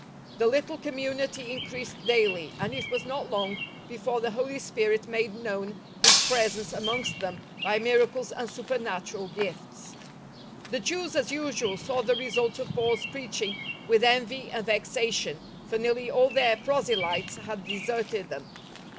The little community increased daily, and it was not long before the Holy Spirit made known His Presence amongst them by miracles and supernatural gifts. The Je^vs, as usual, saw the results of Paul's preaching with envy and vexation, for nearly all their proselytes had deserted them.